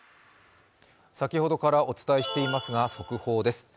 先ほどからお伝えしていますが速報です。